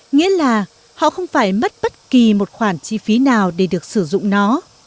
nghĩa là họ không phải mất bất kỳ một khoản chi phí nào để được sử dụng nó